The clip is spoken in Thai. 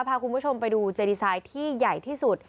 พาคุณผู้ชมไปดูเจดีไซน์ที่ใหญ่ที่สุด